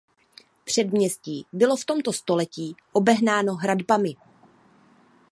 Předměstí bylo v tomto století obehnáno hradbami.